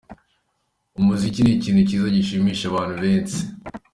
Umuziki ni ikintu cyiza gishimisha abantu bensi.